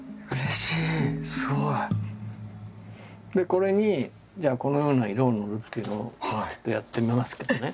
これにじゃあこのような色を塗るっていうのをちょっとやってみますけどね。